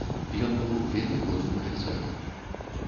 Ён быў вельмі годным афіцэрам.